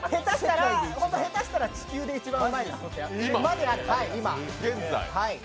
下手したら地球で一番うまいです、今。